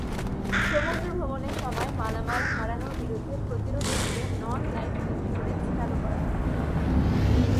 সমুদ্র ভ্রমণের সময় মালামাল হারানোর বিরুদ্ধে প্রতিরোধ হিসেবে নন-লাইফ ইন্স্যুরেন্স চালু করা হয়।